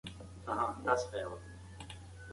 که بوټي وساتو نو خاوره نه ښویېږي.